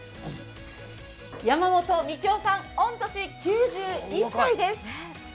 山本幹雄御年９１歳です。